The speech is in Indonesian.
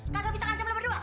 kagak bisa ngancem lu berdua